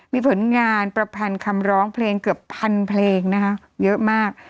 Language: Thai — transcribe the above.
มีผลงานประพันธ์คำร้องเพลงเกือบพันเพลงนะคะเยอะมาก